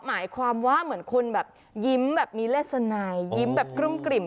หมายความว่าเหมือนคนแบบยิ้มแบบมีเลสนายยิ้มแบบกลุ้มกลิ่ม